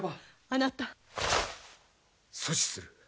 あなた。阻止する。